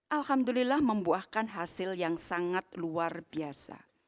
alhamdulillah membuahkan hasil yang sangat luar biasa